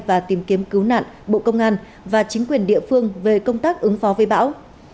và tìm kiếm cứu nạn bộ công an và chính quyền địa phương về công tác ứng phó với bão